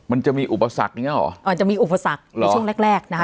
มันจะมีอุปสรรคอย่างเงี้หรอจะมีอุปสรรคในช่วงแรกแรกนะคะ